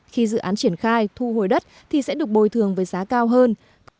khi dự án triển khai thu hồi đất thì sẽ được bồi thường với giá cao hơn